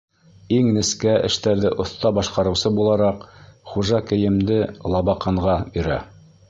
Иң нескә эштәрҙе оҫта башҡарыусы булараҡ, хужа кейемде Лабаҡанға бирә.